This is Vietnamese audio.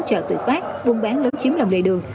chợ tự phát buôn bán lớn chiếm lòng đề đường